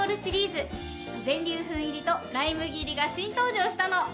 全粒粉入りとライ麦入りが新登場したの。